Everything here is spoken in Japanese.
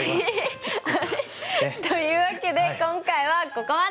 え！というわけで今回はここまで。